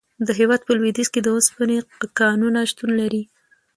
د هیواد په لویدیځ کې د اوسپنې کانونه شتون لري.